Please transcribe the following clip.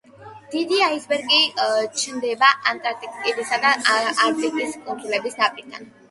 დიდი აისბერგები ჩნდება ანტარქტიკისა და არქტიკის კუნძულების ნაპირებთან.